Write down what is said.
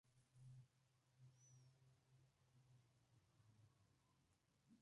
Posteriormente amplía este servicio a los centros religiosos.